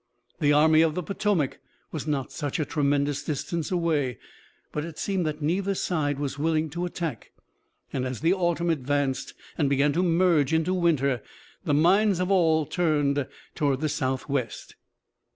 The Army of the Potomac was not such a tremendous distance away, but it seemed that neither side was willing to attack, and as the autumn advanced and began to merge into winter the minds of all turned toward the Southwest.